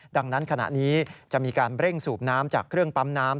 ดังนั้นขณะนี้จะมีการเร่งสูบน้ำจากเครื่องปั๊มน้ำ